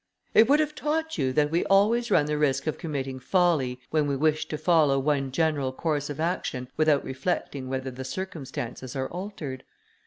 "It would have taught you that we always run the risk of committing folly, when we wish to follow one general course of action, without reflecting whether the circumstances are altered.